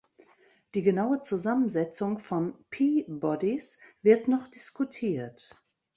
Die genaue Zusammensetzung von P-bodies wird noch diskutiert.